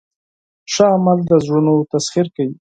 ښه عمل د زړونو تسخیر کوي.